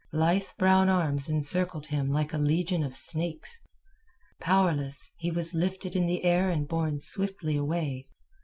Lithe brown arms encircled him like a legion of snakes. Powerless, he was lifted in the air and borne swiftly away.